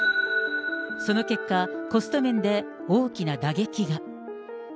その結果、コスト面で大きな打撃が。